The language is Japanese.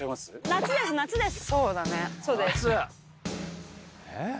夏です夏です。